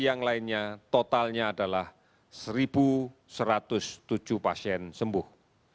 yang lainnya totalnya adalah satu satu ratus tujuh pasien sembuh